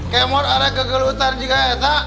kemot ada kegelutan juga ya tak